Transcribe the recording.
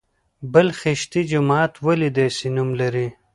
پل خشتي جومات ولې داسې نوم لري؟